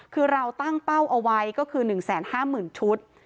คือเราตั้งเป้าเอาไว้ก็คือ๑๕๐๐๐ชุด